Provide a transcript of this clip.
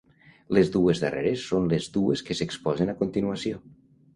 Les dues darreres són les dues que s'exposen a continuació.